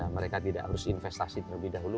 mereka tidak harus investasi terlebih dahulu